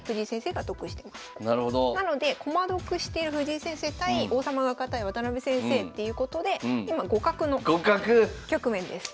なので駒得してる藤井先生対王様が堅い渡辺先生っていうことで今互角の局面です。